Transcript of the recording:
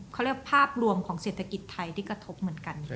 เขาเรียกภาพรวมของเศรษฐกิจไทยที่กระทบเหมือนกัน